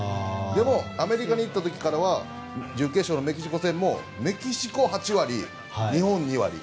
でも、アメリカに行った時からは準決勝のメキシコ戦もメキシコ８割、日本が２割。